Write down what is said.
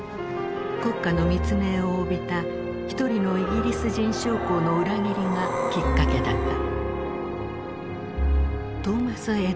国家の密命を帯びた一人のイギリス人将校の裏切りがきっかけだった。